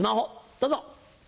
どうぞ。